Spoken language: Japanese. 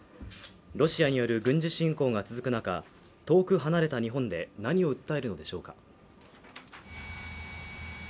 ロシアによる軍事侵攻が続く中遠く離れた日本で何を訴えるのでしょうか。